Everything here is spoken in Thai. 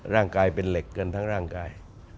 ร่างกายเป็นเหล็กกันทั้งร่างกาย